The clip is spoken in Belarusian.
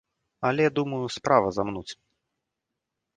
Але, думаю, справа замнуць.